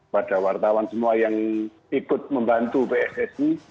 pada wartawan semua yang ikut membantu pssi